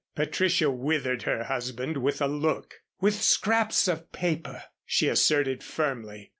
Patricia withered her husband with a look. "With scraps of paper," she asserted, firmly.